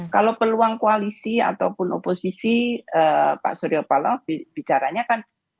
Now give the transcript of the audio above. kalau peluang koalisi ataupun oposisi pak suryaopala bicaranya kan oh peluangnya masih lima puluh lima puluh